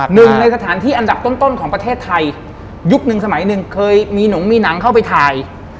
หนึ่งในสถานที่อันดับต้นของประเทศไทยยุคหนึ่งสมัยหนึ่งเคยมีหนงมีหนังเข้าไปถ่าย